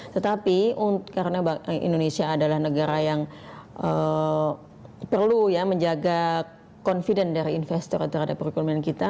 tetapi karena indonesia adalah negara yang perlu menjaga confident dari investor terhadap perekonomian kita